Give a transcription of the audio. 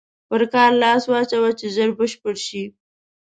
پر کار لاس واچوه چې ژر بشپړ شي.